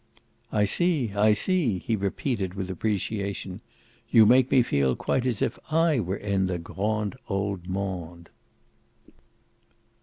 "I see, I see," he repeated with appreciation. "You make me feel quite as if I were in the grand old monde."